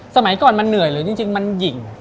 สมัยก่อนมันเหนื่อยหรือจริงมันหญิง